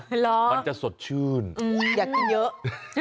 เหรอมันจะสดชื่นอยากกินเยอะ